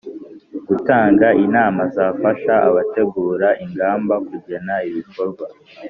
gutanga inama zafasha abategura ingamba kugena ibikorwa